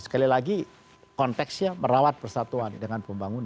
sekali lagi konteksnya merawat persatuan dengan pembangunan